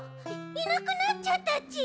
いなくなっちゃったち！